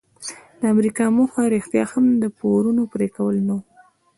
د امریکا موخه رښتیا هم د پورونو پریکول نه وو.